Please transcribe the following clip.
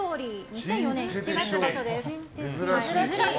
２００４年７月場所です。